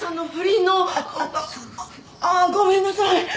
あっごめんなさい。